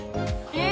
え！